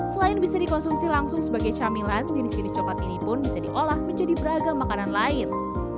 selain bisa dikonsumsi langsung sebagai camilan jenis jenis coklat ini pun bisa diolah menjadi beragam makanan lain